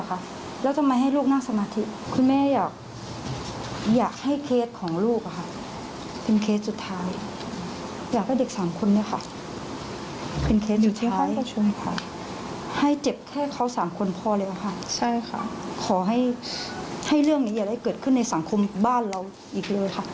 ขอให้ให้เรื่องนี้อย่าได้เกิดขึ้นในสังคมบ้านเราอีกเลยค่ะ